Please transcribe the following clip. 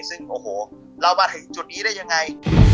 ซึ่งโอ้โหเรามาถึงจุดนี้ได้ยังไง